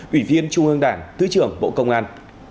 ủy viên trung ương đảng thứ trưởng bộ công an